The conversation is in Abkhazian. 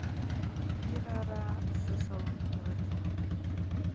Ирараасысалам рыҭ!